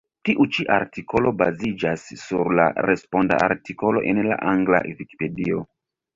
Tiu ĉi artikolo baziĝas sur la responda artikolo en la angla Vikipedio.